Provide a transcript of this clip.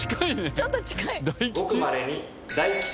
ちょっと近い。